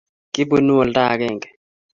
Kibunnu oldo agenge